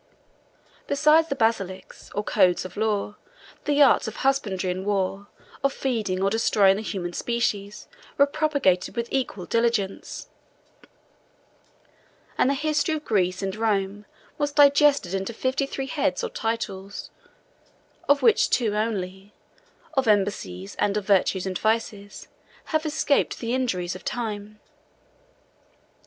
Besides the Basilics, or code of laws, the arts of husbandry and war, of feeding or destroying the human species, were propagated with equal diligence; and the history of Greece and Rome was digested into fifty three heads or titles, of which two only (of embassies, and of virtues and vices) have escaped the injuries of time.